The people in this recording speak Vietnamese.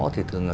thì thường là